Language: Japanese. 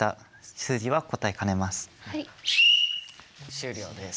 終了です。